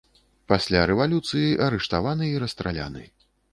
Пасля рэвалюцыі арыштаваны і расстраляны.